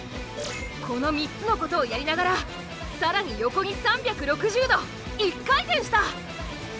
この３つのことをやりながら更に横に３６０度１回転した！